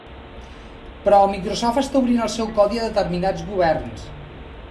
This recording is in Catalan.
Però Microsoft està obrint el seu codi a determinats governs.